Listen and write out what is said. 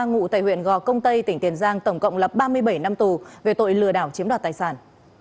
ngụ tài huyện gò công tây tỉnh kiên giang tổng cộng lập ba mươi bảy năm tù về tội lừa đảo chiếm đoạt tài sản